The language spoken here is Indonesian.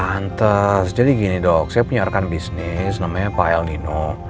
antes jadi gini dok saya punya rekan bisnis namanya pak el nino